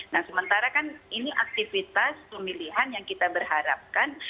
nah sementara kan ini aktivitas pemilihan yang kita berharapkan